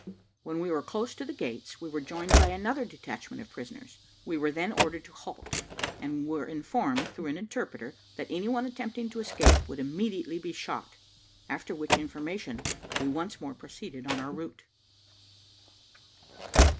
When we were close to the gates, we were joined by another detachment of prisoners: we were then ordered to halt, and were informed, through an interpreter, that any one attempting to escape would immediately be shot; after which information we once more proceeded on our route.